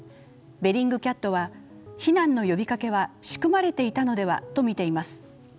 ベリングキャットは避難の呼びかけは仕組まれていたのではと見ています。